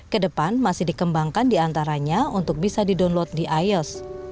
kedepan masih dikembangkan diantaranya untuk bisa di download di ios